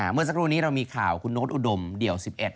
เมื่อสักครู่นี้เรามีข่าวคุณโน๊ตอุดมเดี่ยว๑๑